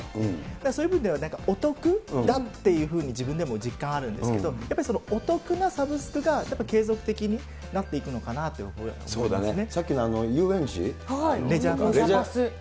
そういう部分ではお得だっていうふうに自分でも実感あるんですけど、やっぱりお得なサブスクが、やっぱり継続的になっていくのかなって思いますね。